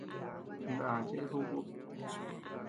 Nda cheʼe jobe ku.